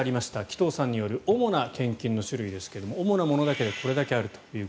紀藤さんによる主な献金の種類ですが主なものだけでこれだけある。